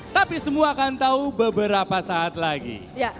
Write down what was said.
tapi semua akan tahu beberapa saat lagi